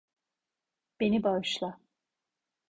Beni bağışla.